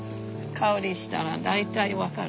香りしたら大体分かる。